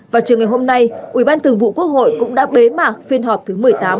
vào chiều ngày hôm nay ủy ban thường vụ quốc hội cũng đã bế mạc phiên họp thứ một mươi tám